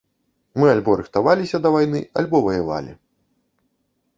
Мы альбо рыхтаваліся да вайны, альбо ваявалі.